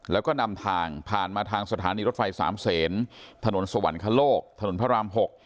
แล้วก็นำทางผ่านมาทางสถานีรถไฟสามเศษถนนสวรรคโลกถนนพระราม๖